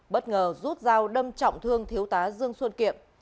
bất ngờ rút dao đâm trọng thương thiếu tá dương xuân kiệm